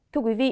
thưa quý vị